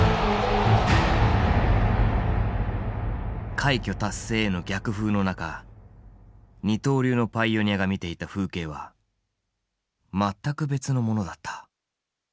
快挙達成への逆風の中二刀流のパイオニアが見ていた風景は全く別のものだった。